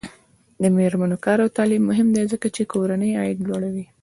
د میرمنو کار او تعلیم مهم دی ځکه چې کورنۍ عاید لوړوي.